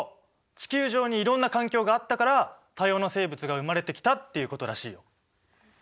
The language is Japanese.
地球上にいろんな環境があったから多様な生物が生まれてきたっていうことらしいよ。